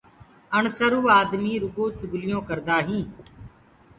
اَڻسروُ آدمي رُگو چُگليونٚ ڪردآ هينٚ۔